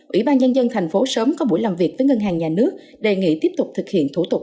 ủy ban nhân dân tp hcm có buổi làm việc với ngân hàng nhà nước đề nghị tiếp tục thực hiện thủ tục